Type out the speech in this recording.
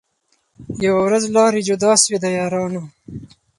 یوه ورځ لاري جلا سوې د یارانو